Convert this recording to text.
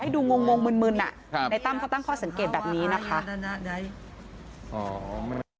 ดูงงมึนในตั้มเขาตั้งข้อสังเกตแบบนี้นะคะ